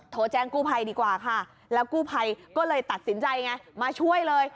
โทรแจ้งกู้ภัยดีกว่าค่ะแล้วกู้ภัยก็เลยตัดสินใจไงมาช่วยเลย